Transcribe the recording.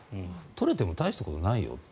取れても大したことないよと。